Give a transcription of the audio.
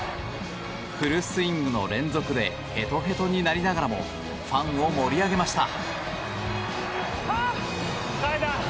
フルスイングの連続でへとへとになりながらもファンを盛り上げました。